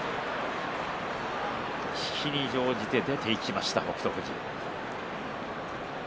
引きに乗じて出ていきました北勝富士。